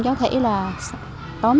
cô hải xe ôm